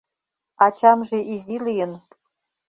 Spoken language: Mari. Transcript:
Ачамже изи лийын.